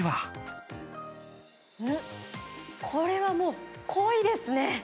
これはもう、濃いですね。